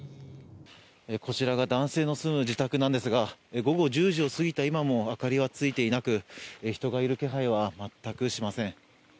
こちらが男性の住む自宅なんですが午後１０時を過ぎた今も明かりはついていなく人がいる気配は全くしません。